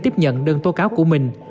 tiếp nhận đơn tố cáo của mình